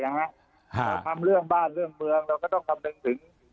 เราทำเรื่องบ้านเรื่องเมืองเราก็ต้องคำนึงถึง